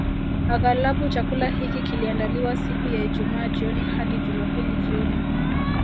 Aghalabu chakula hiki kiliandaliwa siku ya Ijumaa jioni hadi Jumapili jioni